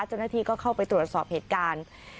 เจ้าหน้าที่ก็เข้าไปตรวจสอบเหตุการณ์